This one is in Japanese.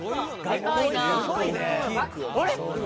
あれ？